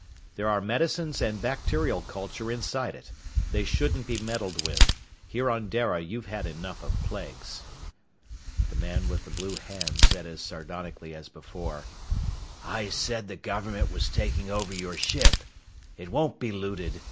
"There are medicines and bacterial culture inside it. They shouldn't be meddled with. Here on Dara you've had enough of plagues!" The man with the blue hand said as sardonically as before, "I said the government was taking over your ship! It won't be looted.